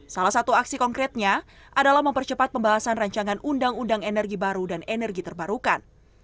salah satu aksi konkretnya adalah mempercepat pembahasan rancangan undang undang energi baru dan energi terbarukan